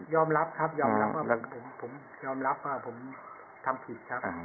ยอมรับครับยอมรับว่าผมทำผิดครับ